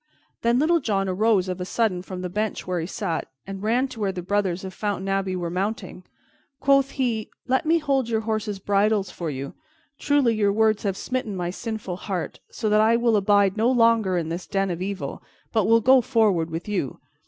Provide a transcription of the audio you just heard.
Then Little John arose of a sudden from the bench where he sat, and ran to where the brothers of Fountain Abbey were mounting. Quoth he, "Let me hold your horses' bridles for you. Truly, your words have smitten my sinful heart, so that I will abide no longer in this den of evil, but will go forward with you.